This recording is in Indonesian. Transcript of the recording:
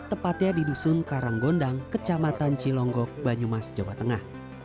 tepatnya di dusun karanggondang kecamatan cilonggok banyumas jawa tengah